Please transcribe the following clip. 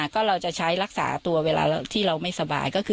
ก็เราจะใช้รักษาตัวเวลาที่เราไม่สบายก็คือ